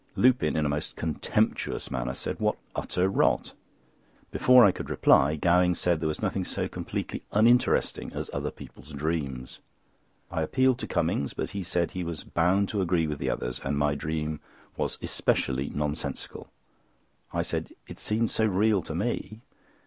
Lupin in a most contemptuous manner, said: "What utter rot." Before I could reply, Gowing said there was nothing so completely uninteresting as other people's dreams. I appealed to Cummings, but he said he was bound to agree with the others and my dream was especially nonsensical. I said: "It seemed so real to me."